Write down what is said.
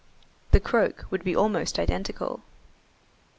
The croak would be almost identical.